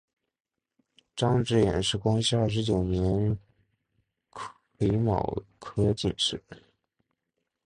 张智远是光绪二十九年癸卯科进士。